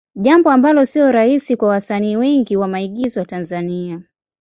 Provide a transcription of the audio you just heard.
Jambo ambalo sio rahisi kwa wasanii wengi wa maigizo wa Tanzania.